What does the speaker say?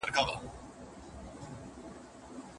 سل روپۍ پور که، یو زوی کابل کي لوی کړه.